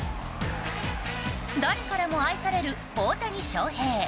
誰からも愛される大谷翔平。